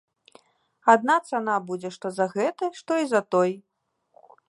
Адна цана будзе што за гэты, што і за той.